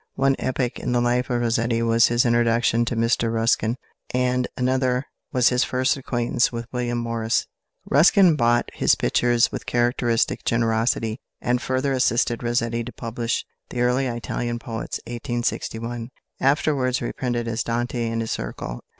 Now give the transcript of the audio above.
One epoch in the life of Rossetti was his introduction to Mr Ruskin, and another was his first acquaintance with William Morris. Ruskin bought his pictures with characteristic generosity, and further assisted Rossetti to publish "The Early Italian Poets" (1861), afterwards reprinted as "Dante and his Circle" (1874).